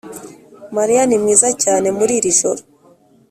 mariya ni mwiza cyane muri iri joro.